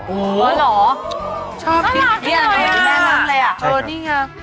อ๋อเหรอชอบที่แม่นั่งเลยอะ